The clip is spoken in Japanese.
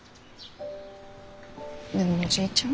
でもおじいちゃん。